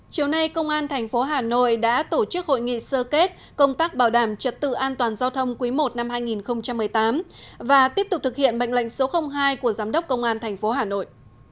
chiều nay công an thành phố hà nội đã tổ chức hội nghị sơ kết công tác bảo đảm trật tự an toàn giao thông quý i năm hai nghìn một mươi tám và tiếp tục thực hiện mệnh lệnh số hai của giám đốc công an tp hà nội